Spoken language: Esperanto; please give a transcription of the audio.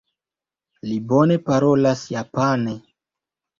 Li bone parolas japane.